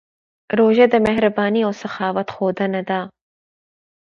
روژه د مهربانۍ او سخاوت ښودنه کوي.